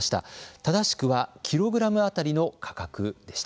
正しくはキログラムあたりの価格でした。